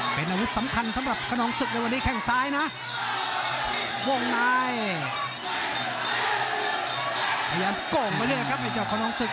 พยายามกลมไปเลยนะครับไอ้เจ้าขนองศึก